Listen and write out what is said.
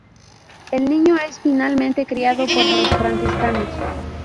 El niño es finalmente criado por los franciscanos.